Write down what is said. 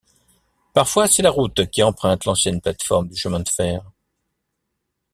Parfois c'est la route qui emprunte l'ancienne plate-forme du chemin de fer.